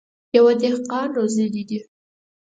يوه دهقان روزلي دي.